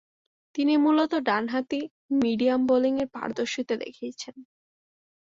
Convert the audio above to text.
তিনি মূলতঃ ডানহাতি মিডিয়াম বোলিংয়ে পারদর্শিতা দেখিয়েছেন।